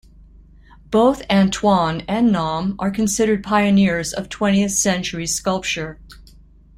Both Antoine and Naum are considered pioneers of twentieth-century sculpture.